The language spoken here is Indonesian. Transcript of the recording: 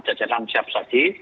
dan jajanan siap saji